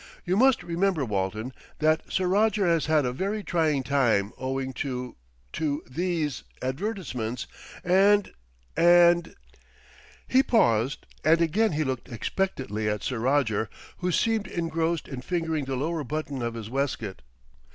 "You must remember, Walton, that Sir Roger has had a very trying time owing to to these advertisements, and and " He paused and again he looked expectantly at Sir Roger, who seemed engrossed in fingering the lower button of his waistcoat.